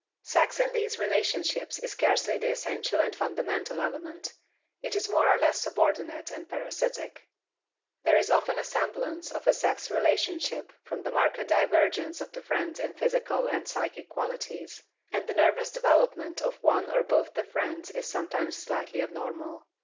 Sex in these relationships is scarcely the essential and fundamental element; it is more or less subordinate and parasitic. There is often a semblance of a sex relationship from the marked divergence of the friends in physical and psychic qualities, and the nervous development of one or both the friends is sometimes slightly abnormal.